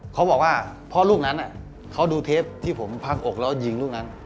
เขาบอกว่าพ่อลูกนั้นเขาดูเทปที่ผมพักอกแล้วยิงลูกนั้น